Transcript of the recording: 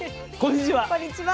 こんにちは。